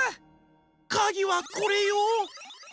かぎはこれよ！